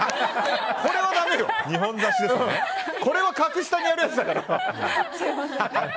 これは格下にやるやつだから。